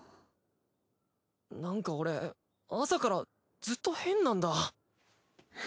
なんか俺朝からずっと変なんだ。